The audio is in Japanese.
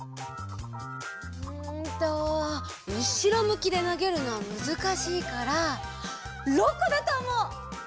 うんとうしろむきでなげるのはむずかしいから６こだとおもう！